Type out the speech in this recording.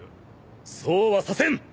そうはさせん！